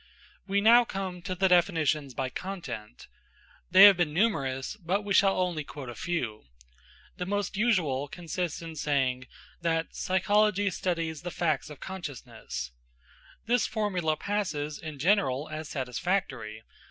We now come to the definitions by content. They have been numerous, but we shall only quote a few. The most usual consists in saying, that Psychology studies the facts of consciousness. This formula passes, in general, as satisfactory.